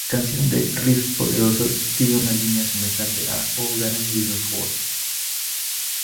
Canción de riffs poderosos sigue una línea semejante a "All That I'm Living For".